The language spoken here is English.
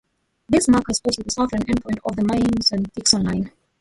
This marker is also the southern endpoint of the Mason-Dixon Line.